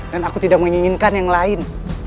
dan aku tidak menginginkan yang lain